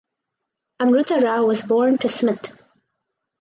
Amrutha Rao was born to Smt.